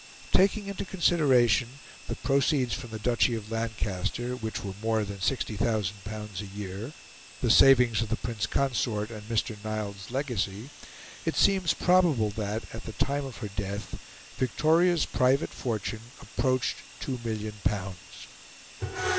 Taking into consideration the proceeds from the Duchy of Lancaster, which were more than L60,000 a year, the savings of the Prince Consort, and Mr. Neild's legacy, it seems probable that, at the time of her death, Victoria's private fortune approached two million pounds.